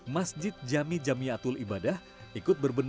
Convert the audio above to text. masjid jami jamiatul ibadah ikut berbentuk